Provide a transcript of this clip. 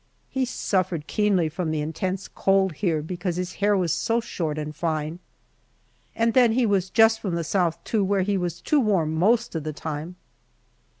He suffered keenly from the intense cold here because his hair was so short and fine. And then he was just from the South, too, where he was too warm most of the time.